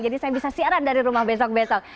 jadi saya bisa siaran dari rumah besok besok